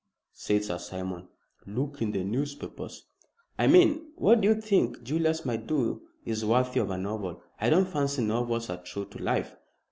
said Sir Simon; "look in the newspapers." "I mean that what you think Julius might do is worthy of a novel. I don't fancy novels are true to life."